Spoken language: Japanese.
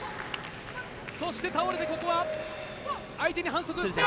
そして、倒れてここは相手に反則。